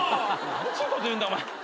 何ちゅうこと言うんだお前。